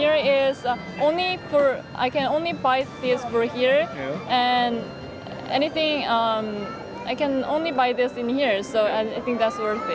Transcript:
jadi saya pikir ini berharga